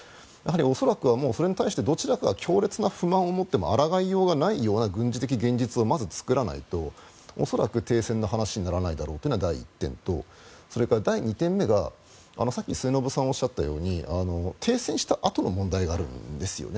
恐らくはそれに対してどちらかが強烈な不満を持っても抗いようがないような軍事的現実をまず作らないと恐らく、停戦の話にならないだろうというのが第１点とそれから第２点目がさっき末延さんがおっしゃったように停戦したあとの問題があるんですよね。